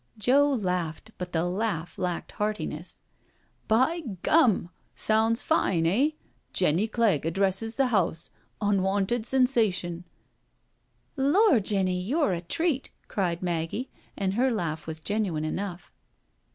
Joe laughed, but the laugh lacked heartiness. " By gum I sounds fine, eh? Jenny Clegg addresses the House — unwonted sensation I " "Lor', Jenny, yo're a treat I" cried Maggie, and her laugh was genuine enough.